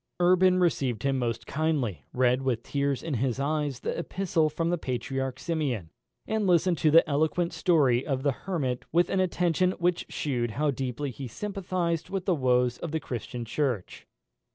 Urban received him most kindly; read, with tears in his eyes, the epistle from the Patriarch Simeon, and listened to the eloquent story of the Hermit with an attention which shewed how deeply he sympathised with the woes of the Christian Church.